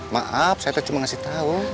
maaf saya teh cuma ngasih tau